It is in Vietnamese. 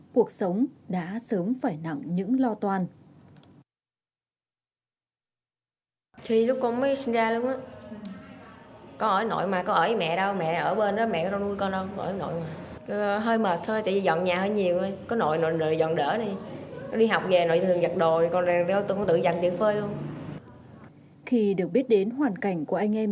cuộc sống đã sớm phải nặng những lo tâm